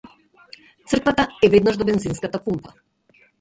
Црквата е веднаш до бензинската пумпа.